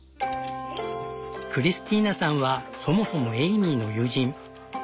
クリスティーナさんはそもそもエイミーの友人。